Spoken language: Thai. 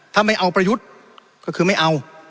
ถ้าไม่เอาประยุทธ์ก็คือไม่เอา